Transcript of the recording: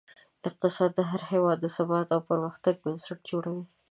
اقتصاد د هر هېواد د ثبات او پرمختګ بنسټ جوړوي.